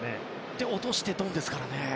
で、落としてドンですからね。